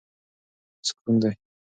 سکون دی.